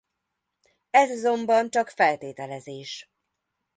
Ez azonban csak feltételezés.